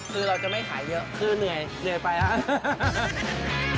คือเราจะไม่ขายเยอะคือเหนื่อยไปแล้ว